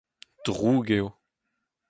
Drouk eo.